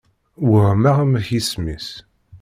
Wehmeɣ amek isem-is.